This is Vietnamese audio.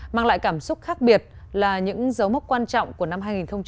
mang lại cảm xúc khác biệt là những dấu mốc quan trọng của năm hai nghìn một mươi bảy